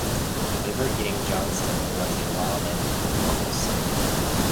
Liver-Eating Johnston was a lawman in Coulson.